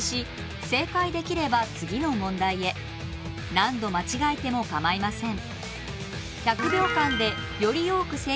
何度間違えても構いません。